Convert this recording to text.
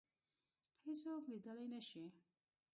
هیڅوک لیدلای نه شي